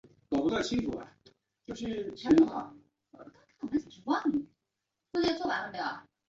其岩层主要是由安山岩质的熔岩流和火山碎屑岩所分别构成。